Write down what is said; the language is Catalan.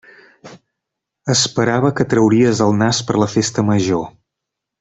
Esperava que trauries el nas per la festa major.